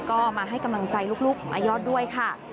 ก็มาให้กำลังใจลูกของอายอดด้วยค่ะ